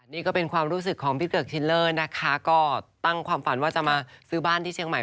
นี่ก็เป็นความรู้สึกของพี่เกิกทิลเลอร์นะคะก็ตั้งความฝันว่าจะมาซื้อบ้านที่เชียงใหม่